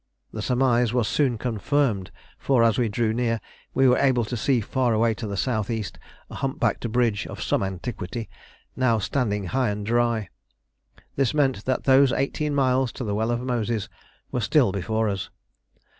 The surmise was soon confirmed, for, as we drew near, we were able to see far away to the S.E. a humpbacked bridge of some antiquity, now standing high and dry. This meant that those eighteen miles to the Well of Moses were still before us.